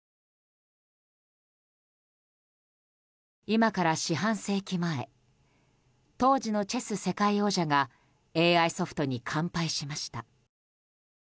今から４半世紀前当時のチェス世界王者がＡＩソフトに完敗しました。